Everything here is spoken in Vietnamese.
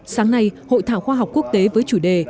sáng nay hội thảo khoa học quốc tế với chủ đề